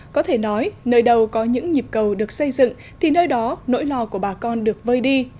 có thể nói nơi đâu có những nhịp cầu được xây dựng thì nơi đó nỗi lo của bà con được vơi đi